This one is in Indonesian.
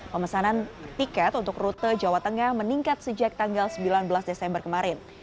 pemesanan tiket untuk rute jawa tengah meningkat sejak tanggal sembilan belas desember kemarin